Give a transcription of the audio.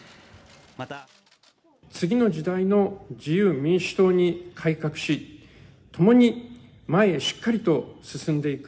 次の時代の自由民主党に改革し、共に前にしっかりと進んでいく。